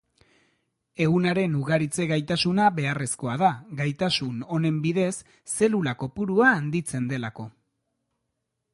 Ehunaren ugaritze-gaitasuna beharrezkoa da, gaitasun honen bidez zelula-kopurua handitzen delako.